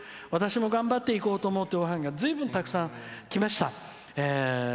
私も頑張っていこうと思うっていう、おハガキがずいぶん、たくさんきました。